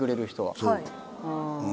はい。